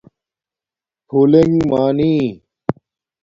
پُھولنݣ مانی